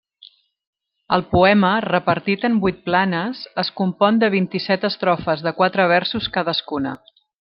El poema, repartit en vuit planes, es compon de vint-i-set estrofes de quatre versos cadascuna.